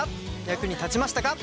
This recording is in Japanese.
役に立ちましたか？